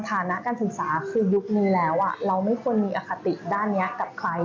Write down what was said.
ฐานะการศึกษาคือยุคนี้แล้วเราไม่ควรมีอคติด้านนี้กับใคร